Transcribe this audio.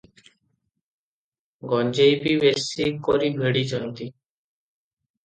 ଗଞ୍ଜେଇ ବି ବେଶି କରି ଭିଡ଼ିଛନ୍ତି ।